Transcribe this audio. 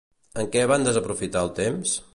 En què van desaprofitar el temps?